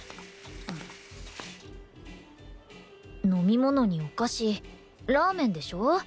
飲み物にお菓子ラーメンでしょ